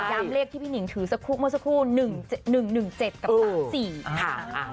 เลขที่พี่หนิงถือสักครู่เมื่อสักครู่๑๑๗กับ๓๔ค่ะ